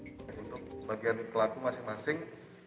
untuk bagian pelaku masing masing